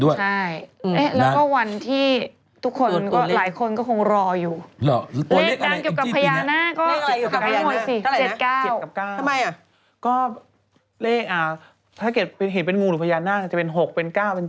ก็เลขอ่ะถ้าเห็นเป็นงูหรือพญานาคจะเป็น๖เป็น๙เป็น๗